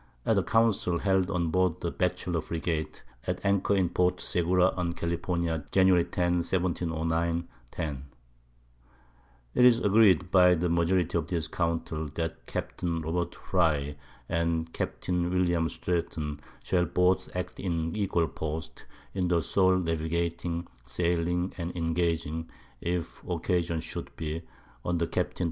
At a Council held on board the Batchelor Frigate, at Anchor in Port Segura, on California, Jan. 10. 1709/10. It is agreed, by the Majority of this Council, that Capt. Robert Frye and Capt. William Stretton, shall both act in equal Posts in the sole Navigating, Sailing and Ingaging, if Occasion should be, under Capt. Tho.